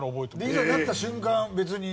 いざなった瞬間別に？